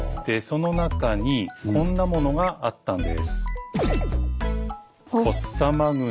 でその中にこんなものがあったんです。